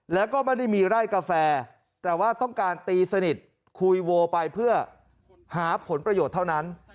แล้วก็ไม่ได้มีไร่กาแฟแต่ว่าต้องการตีสนิทคุยโวไปเพื่อหาผลประโยชน์เท่านั้น